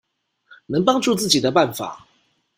能幫助自己的辦法